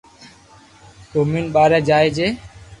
گومين ٻاري جائي جي